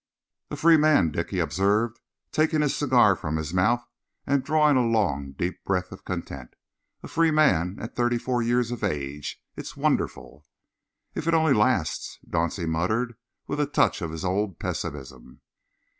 "A free man, Dick," he observed, taking his cigar from his mouth and drawing a long breath of content. "A free man at thirty four years of age. It's wonderful!" "If it only lasts!" Dauncey muttered, with a touch of his old pessimism.